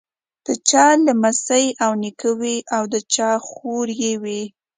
د چا لمسی او نیکه وي او د چا خوريی وي.